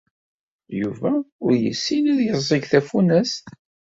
Yuba ur yessin ad d-yeẓẓeg tafunast.